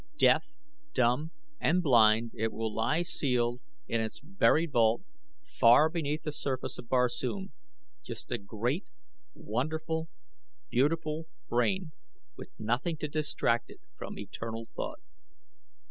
Deaf, dumb, and blind it will lie sealed in its buried vault far beneath the surface of Barsoom just a great, wonderful, beautiful brain with nothing to distract it from eternal thought."